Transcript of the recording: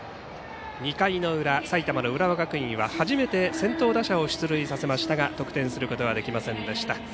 ２回の裏埼玉の浦和学院は初めて先頭打者を出塁させましたが得点することはできませんでした。